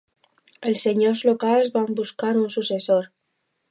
Els senyors locals van buscar un successor.